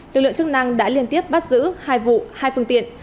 lực lượng chức năng đã liên tiếp bắt giữ hai vụ hai phương tiện